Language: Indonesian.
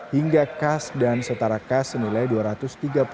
hingga kas dan setara kas senilai rp dua puluh